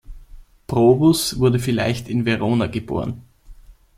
Probus wurde vielleicht in Verona geboren.